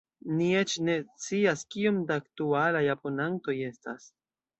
Ni eĉ ne scias kiom da aktualaj abonantoj estas.